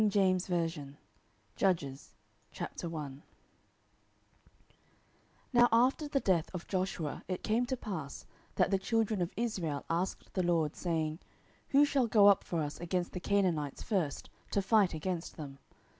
Book 07 Judges 07:001:001 Now after the death of Joshua it came to pass, that the children of Israel asked the LORD, saying, Who shall go up for us against the Canaanites first, to fight against them?